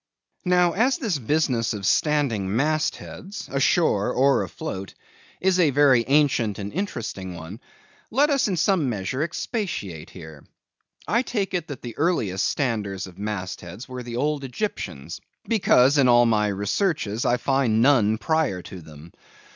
Now, as the business of standing mast heads, ashore or afloat, is a very ancient and interesting one, let us in some measure expatiate here. I take it, that the earliest standers of mast heads were the old Egyptians; because, in all my researches, I find none prior to them.